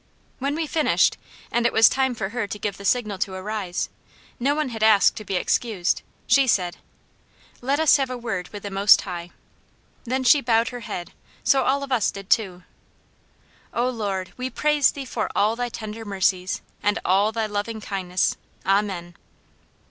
When we finished, and it was time for her to give the signal to arise, no one had asked to be excused, she said: "Let us have a word with the Most High." Then she bowed her head, so all of us did too. "O Lord, we praise Thee for all Thy tender mercies, and all Thy loving kindness. Amen!"